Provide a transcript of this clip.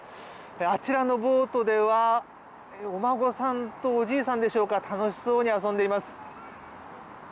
あちらのボートではお孫さんとおじいさんでしょうか楽しそうに遊んでいます。